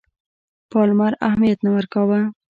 پالمر اهمیت نه ورکاوه.